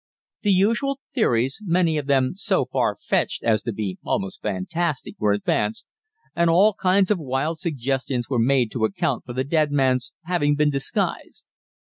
The usual theories, many of them so far fetched as to be almost fantastic, were advanced, and all kinds of wild suggestions were made to account for the dead man's having been disguised.